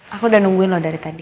aku udah nungguin loh dari tadi